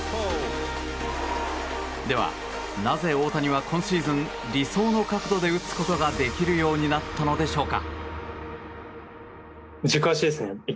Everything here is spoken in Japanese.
では、なぜ大谷は今シーズン理想の角度で打つことができるようになったのでしょうか。